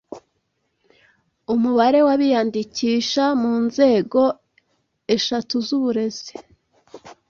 umubare w’abiyandikisha mu nzego eshatu z’uburezi